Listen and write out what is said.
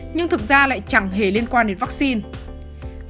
nhưng thực ra lại chẳng hề liên quan đến vaccine